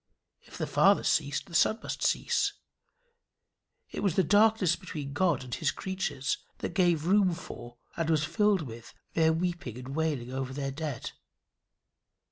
If the Father ceased the Son must cease. It was the darkness between God and his creatures that gave room for and was filled with their weeping and wailing over their dead.